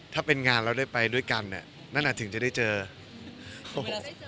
ถ้าเป็นงานเราได้ไปด้วยกันเนี่ยนั่นอ่ะถึงจะได้เจอโอ้โห